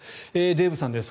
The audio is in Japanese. デーブさんです